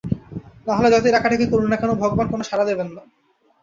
নাহলে যতই ডাকাডাকি করুন না কেন, ভগবান কোনো সাড়া দেবেন না।